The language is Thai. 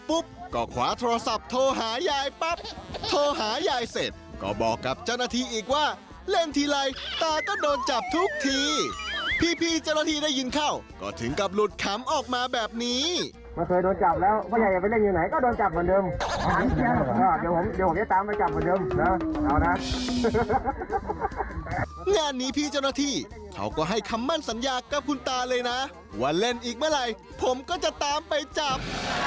ปุ๊บก็ขวาโทรศัพท์โทรหายายปั๊บโทรหายายเสร็จก็บอกกับเจ้าหน้าที่อีกว่าเล่นทีไรตาก็โดนจับทุกทีพี่เจ้าหน้าที่ได้ยินเข้าก็ถึงกับหลุดคำออกมาแบบนี้งานนี้พี่เจ้าหน้าที่เขาก็ให้คำมั่นสัญญากับคุณตาเลยนะว่าเล่นอีกเมื่อไหร่ผมก็จะตามไปจับ